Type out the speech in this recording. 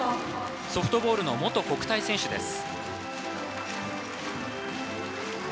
ソフトボールの元国体選手です。